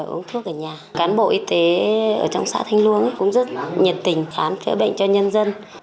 uống thuốc ở nhà cán bộ y tế ở trong xã thanh luông cũng rất nhiệt tình khám chữa bệnh cho nhân dân